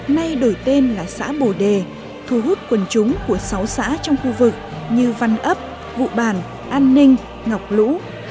nay đổi tên là xã bồ đề thu hút quần chúng của sáu xã trong khu vực như văn ấp vụ bản an ninh ngọc lũ